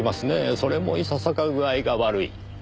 それもいささか具合が悪い。